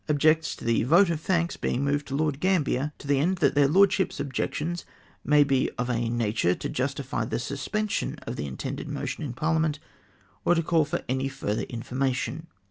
objects to the vote of thanks being moved to Lord Gambler, to the end that theii' Lordships' objections may be of a natnre to jnstify the suspension of the intended motion m Parhament, or to call for any further information."